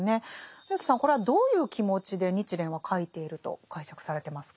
植木さんこれはどういう気持ちで日蓮は書いていると解釈されてますか？